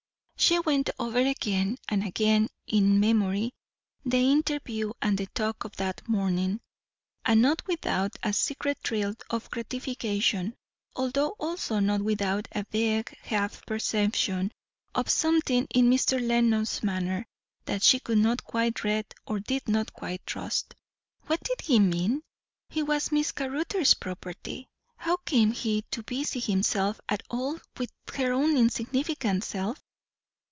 She went over again and again in memory the interview and the talk of that morning; and not without a secret thrill of gratification, although also not without a vague half perception of something in Mr. Lenox's manner that she could not quite read and did not quite trust. What did he mean? He was Miss Caruthers' property; how came he to busy himself at all with her own insignificant self?